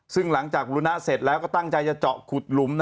ซึ่งหลังจากบุรุณะเสร็จแล้วก็ตั้งใจจะเจาะขุดหลุม